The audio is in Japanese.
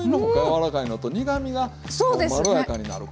柔らかいのと苦みがまろやかになる。